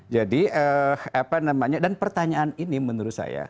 jadi apa namanya dan pertanyaan ini menurut saya